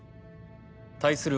対する